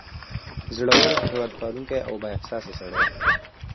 زړور، هیواد پالونکی او با احساسه سړی و.